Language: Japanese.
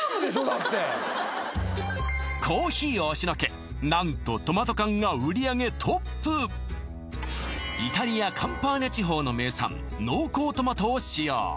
だってコーヒーを押しのけ何とトマト缶が売り上げトップイタリアカンパーニャ地方の名産濃厚トマトを使用